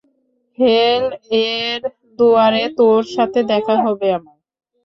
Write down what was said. হেল-এর দুয়ারে তোর সাথে দেখা হবে আমার।